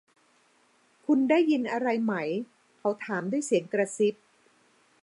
คุณได้ยินอะไรมั้ย เขาถามด้วยเสียงกระซิบ